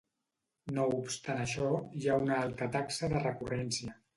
No obstant això, hi ha una alta taxa de recurrència.